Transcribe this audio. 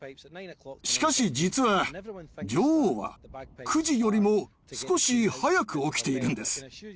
しかし実は女王は９時よりも少し早く起きているんです。